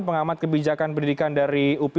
pengamat kebijakan pendidikan dari upi